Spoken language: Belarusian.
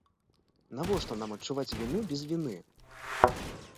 Навошта нам адчуваць віну без віны?